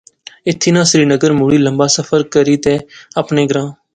ایتھیں ناں سری نگر مڑی لمبا سفر کری تے اپنے گراں